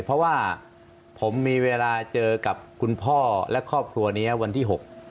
เพราะว่าผมมีเวลาเจอกับคุณพ่อและครอบครัวนี้วันที่๖